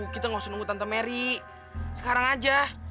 kita gak usah nunggu tante mary sekarang aja